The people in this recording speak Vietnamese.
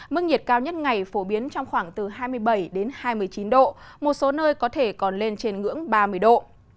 mức nhiệt cao nhất ngày phổ biến trong khoảng từ hai mươi bảy đến hai mươi chín độ một số nơi có thể còn lên trên ngưỡng ba mươi độ